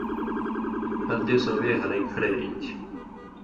ہر دېسؤں وے ہرَیں کھڑے ای تھی